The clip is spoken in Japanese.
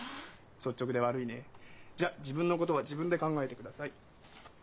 じゃあ自分のことは自分で考えてください。